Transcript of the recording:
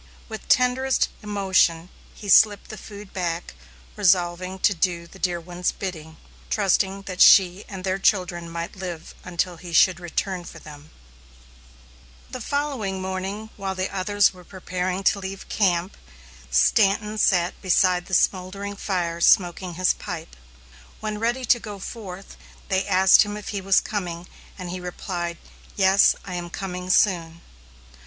With tenderest emotion, he slipped the food back, resolving to do the dear one's bidding, trusting that she and their children might live until he should return for them. [Illustration: BEAR VALLEY, FROM EMIGRANT GAP] [Illustration: THE TRACKLESS MOUNTAINS] The following morning, while the others were preparing to leave camp, Stanton sat beside the smouldering fire smoking his pipe. When ready to go forth, they asked him if he was coming, and he replied, "Yes, I am coming soon."